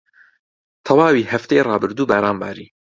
تەواوی هەفتەی ڕابردوو باران باری.